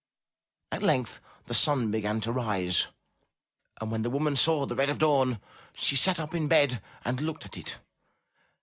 At length the sun began to rise, and when the woman saw the red of dawn, she sat up in bed and looked at it.